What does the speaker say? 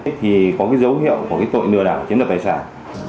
thì có cái dấu hiệu của cái tội lừa đảo chiếm đoạt tài sản